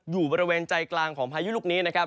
อยู่บริเวณใจกลางของพายุลูกนี้นะครับ